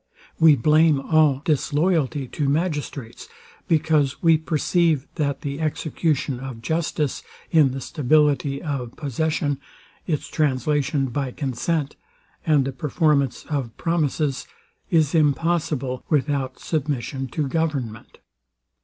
We blame all disloyalty to magistrates; because we perceive, that the execution of justice, in the stability of possession, its translation by consent, and the performance of promises, is impossible, without submission to government.